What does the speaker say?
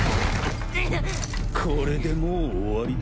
これでもう終わりだ。